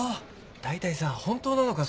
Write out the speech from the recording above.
大体さ本当なのか？